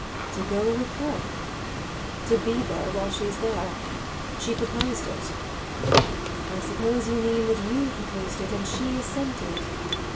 "To go with her?" "To be there while she's there. She proposed it. "I suppose you mean that you proposed it and she assented."